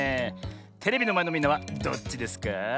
テレビのまえのみんなはどっちですか？